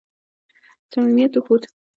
صمیمیت وښود.